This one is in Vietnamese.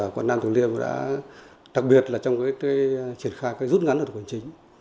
quận nam tử liêm đã đặc biệt là trong triển khai rút ngắn của thủ tục hình chính